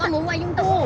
con muốn mua trung thu